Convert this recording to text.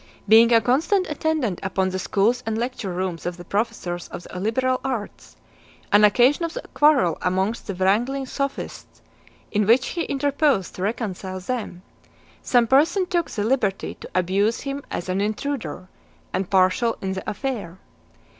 Being a constant attendant upon the schools and lecture rooms of the professors of the liberal arts, on occasion of a quarrel amongst the wrangling (201) sophists, in which he interposed to reconcile them, some person took the liberty to abuse him as an intruder, and partial in the affair.